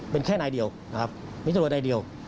เป็นแค่นายเดียวนะครับมีตำรวจนายเดียว